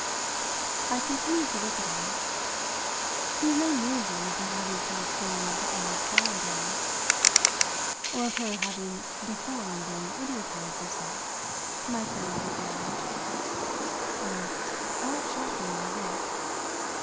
I continued to look at her. "He would have no need then of her having transformed and inspired him." "Or of her having _de_formed and idiotised herself," my friend subjoined. Oh, how it sharpened my look!